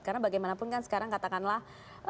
karena bagaimanapun kan sekarang katakanlah